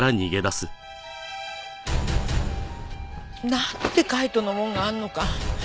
なんで海斗のものがあるのか。